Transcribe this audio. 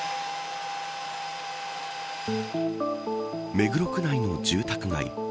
目黒区内の住宅街。